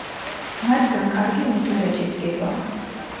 მათგან კარგი მოდარაჯე დგება.